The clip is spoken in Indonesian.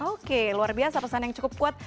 oke luar biasa pesan yang cukup kuat